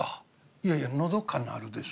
「いやいや『のどかなる』です」。